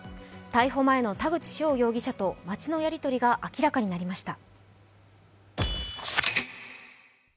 逮捕前の田口翔容疑者と町のやり取りが明らかになりました。